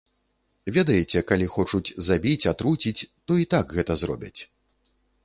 Ведаеце, калі хочуць забіць, атруціць, то і так гэта зробяць.